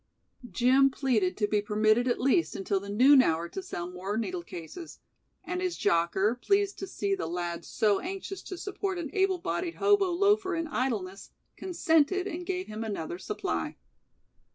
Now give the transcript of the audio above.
Jim pleaded to be permitted at least until the noon hour to sell more needle cases, and his jocker, pleased to see the the lad so anxious to support an able bodied hobo loafer in idleness, consented and gave him another supply.